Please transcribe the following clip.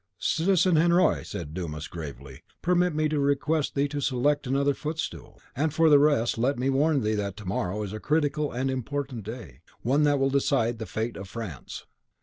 "Citizen Henriot," said Dumas, gravely, "permit me to request thee to select another footstool; and for the rest, let me warn thee that to morrow is a critical and important day; one that will decide the fate of France."